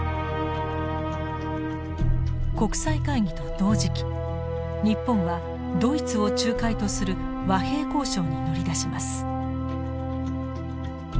国際会議と同時期日本はドイツを仲介とする和平交渉に乗り出します。